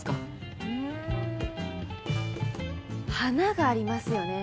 うん華がありますよね。